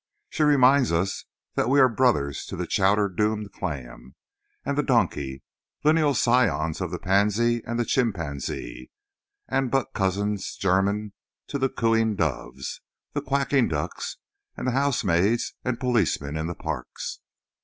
She reminds us that we are brothers to the chowder doomed clam and the donkey; lineal scions of the pansy and the chimpanzee, and but cousins german to the cooing doves, the quacking ducks and the housemaids and policemen in the parks.